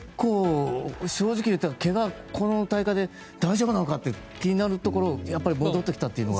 結構、正直言ってこの大会で、怪我大丈夫なのかなと気になるところが戻ってきたというのが。